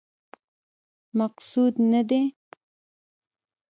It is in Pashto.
مقصود نه دی.